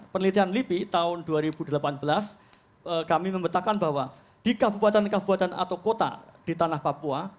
penelitian lipi tahun dua ribu delapan belas kami memetakan bahwa di kabupaten kabupaten atau kota di tanah papua